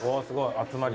集まり。